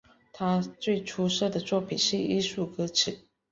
他最出色的作品是艺术歌曲。